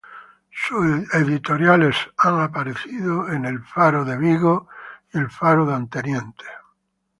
Sus editoriales han aparecido en "The Orlando Sentinel" y el "The Boston Globe".